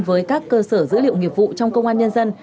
với các cơ sở dữ liệu nghiệp vụ trong công an nhân dân